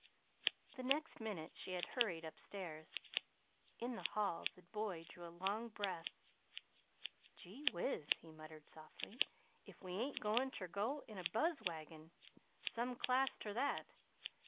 The next minute she had hurried up stairs. In the hall the boy drew a long breath. "Gee whiz!" he muttered softly. "If we ain't goin' ter go in a buzz wagon! Some class ter that!